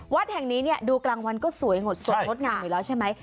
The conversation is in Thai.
วัดแห่งนี้เนี่ยดูกลางวันก็สวยหมดสดงดงามอยู่แล้วใช่ไหม